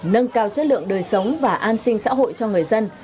nâng cao chất lượng đời sống và an sinh xã hội cho người dân